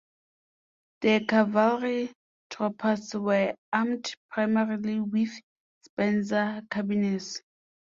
The cavalry troopers were armed primarily with Spencer carbines.